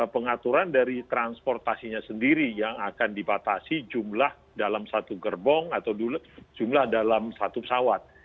pengaturan dari transportasinya sendiri yang akan dibatasi jumlah dalam satu gerbong atau jumlah dalam satu pesawat